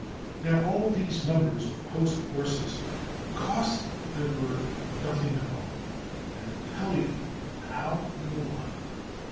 Now all these numbers of post horses cost the em peror nothing at all ; and I will tell you the how and the why.